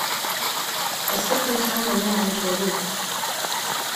Es gibt nicht einmal mehr einen Dialog.